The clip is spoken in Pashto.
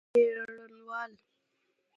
څېړنوال